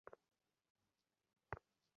আজ এ অনুনয়ে কোনো ফল হইল না।